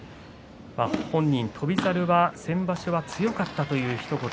翔猿は先場所は強かったというひと言。